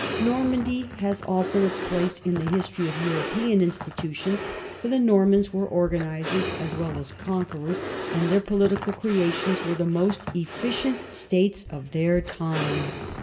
Normandy has also its place in the history of Euro pean institutions, for the Normans were organizers as well as conquerors, and their political creations were the most efficient states of their time.